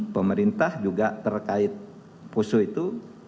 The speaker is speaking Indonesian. pemerintah juga terkait poso itu